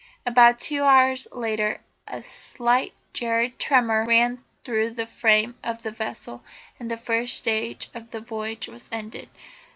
About two hours later a slight, jarring tremor ran through the frame of the vessel, and the first stage of the voyage was ended.